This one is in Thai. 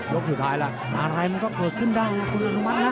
สุดท้ายล่ะอะไรมันก็เกิดขึ้นได้นะคุณอนุมัตินะ